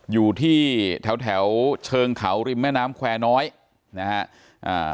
อยู่ที่แถวแถวเชิงเขาริมแม่น้ำแควร์น้อยนะฮะอ่า